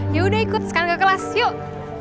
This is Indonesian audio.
yaudah ikut sekarang ke kelas yuk